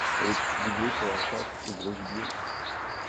Elle est utilisée pour la chasse au gros gibier.